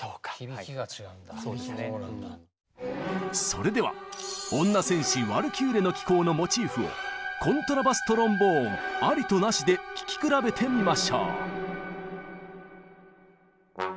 それでは女戦士「ワルキューレの騎行」のモチーフをコントラバストロンボーンありとなしで聴き比べてみましょう。